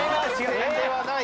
天ではない。